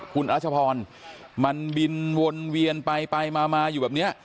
คุณรัชพรมันบินวนเวียนไปไปมาอยู่แบบนี้